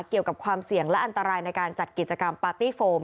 เกี่ยวกับความเสี่ยงและอันตรายในการจัดกิจกรรมปาร์ตี้โฟม